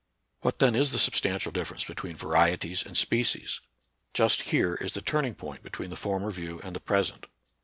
What then is the substantial difference be , tween varieties and species ? Just here is the turning point between the former view and the present.